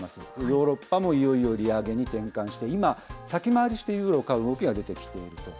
ヨーロッパもいよいよ利上げに転換して、今、先回りしてユーロを買う動きが出てきていると。